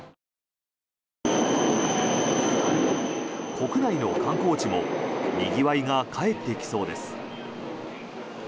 国内の観光地もにぎわいが帰ってきそうです。